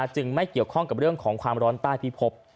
จึงไม่เกี่ยวข้องกับเรื่องของความร้อนใต้พิพบ